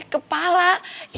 itu kan gila banget